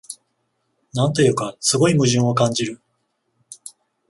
なんというか、すごい矛盾を感じる